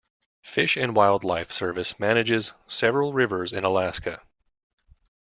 Fish and Wildlife Service manages several rivers in Alaska.